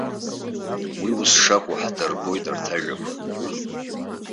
Уи ус шакәу ҳдырбоит арҭ ажәақәа.